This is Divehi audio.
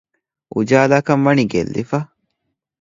އުޖާލާކަންވަނީ ގެއްލިފަ